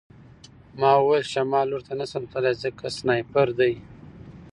ما وویل شمال لور ته نشم تللی ځکه سنایپر دی